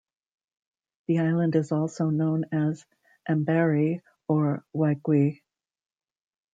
The island is also known as Amberi, or Waigiu.